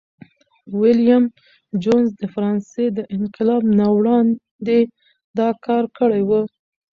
ویلیم جونز د فرانسې د انقلاب نه وړاندي دا کار کړی و.